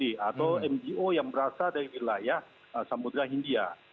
atau mgo yang berasal dari wilayah samudera hindia